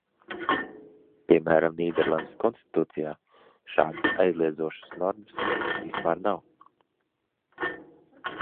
Piemēram, Nīderlandes konstitūcijā šādas aizliedzošas normas vispār nav.